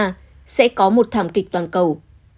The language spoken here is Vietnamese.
chỉ trên lãnh thổ thảm kịch toàn cầu